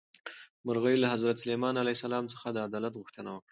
مرغۍ له حضرت سلیمان علیه السلام څخه د عدالت غوښتنه وکړه.